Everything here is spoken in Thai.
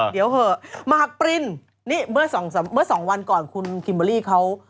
เดี๋ยวเหอะมากปรินนี่เมื่อสองวันก่อนคุณคิมเบอร์รี่เขา